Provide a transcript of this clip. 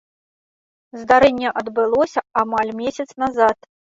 Здарэнне адбылося амаль месяц назад.